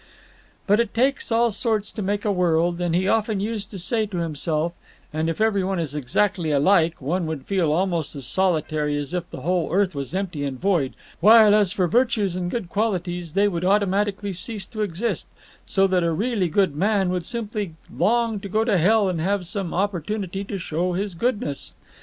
"But it takes all sorts to make a world, as he often used to say to himself, and if every one was exactly alike one would feel almost as solitary as if the whole earth was empty and void, while, as for virtues and good qualities, they would automatically cease to exist, so that a really good man would simply long to go to hell and have some opportunity to show his goodness.